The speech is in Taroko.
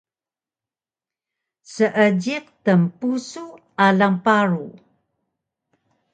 Seejiq tnpusu alang paru